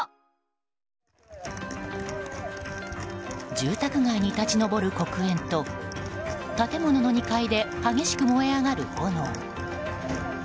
住宅街に立ち上る黒煙と建物の２階で激しく燃え上がる炎。